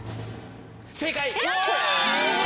正解！